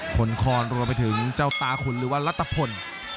คนคอนรวมไปถึงเจ้าตาขุนหรือว่ารัฐพล